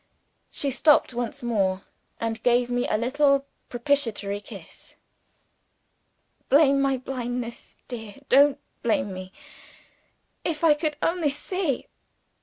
She stopped once more, and gave me a little propitiatory kiss. "Blame my blindness, dear, don't blame me. If I could only see